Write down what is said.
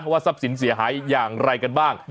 ทรัพย์สินเสียหายอย่างไรกันบ้าง